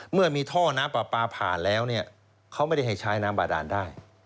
เมื่อมีท่อน้ำปลาปลาผ่านแล้วเนี่ยเขาไม่ได้ให้ใช้น้ำบาดานได้